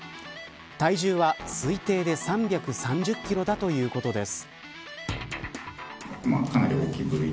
体重は推定で３３０キロだということです。